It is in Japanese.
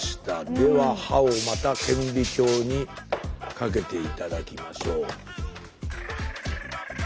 では刃をまた顕微鏡にかけて頂きましょう。